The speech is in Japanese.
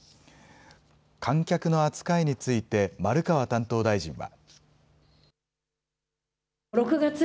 観客の扱いについて、丸川担当大臣は。